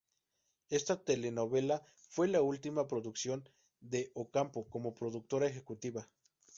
Esta telenovela fue la última producción de Ocampo como productora ejecutiva.